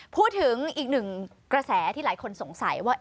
พูดถึงอีกหนึ่งกระแสที่หลายคนสงสัยว่า